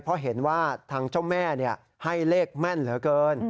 เพราะเห็นว่าทางเจ้าแม่ให้เลขแม่นเหลือเกิน